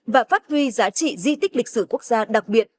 và phát huy giá trị di tích lịch sử quốc gia đặc biệt